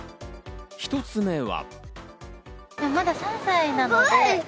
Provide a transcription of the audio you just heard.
一つ目は。